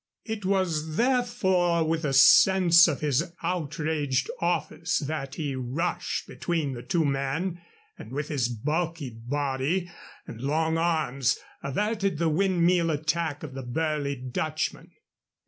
It was therefore with a sense of his outraged office that he rushed between the two men, and with his bulky body and long arms averted the windmill attack of the burly Dutchman.